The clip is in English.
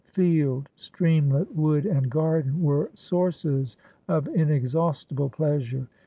Field, streamlet, wood, and garden, were sources of inexhaustible pleasure.